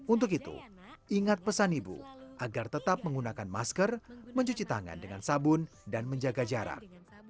untuk itu ingat pesan ibu agar tetap menggunakan masker mencuci tangan dengan sabun dan menjaga jarak